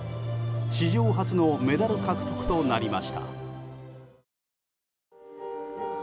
史上初のメダル獲得となりました。